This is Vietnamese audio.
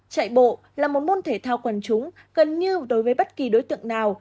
chạy bộ là một môn thể thao quần chúng gần như đối với bất kỳ đối tượng nào